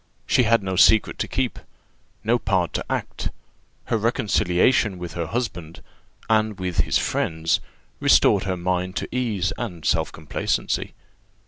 She had no secret to keep no part to act; her reconciliation with her husband and with his friends restored her mind to ease and self complacency.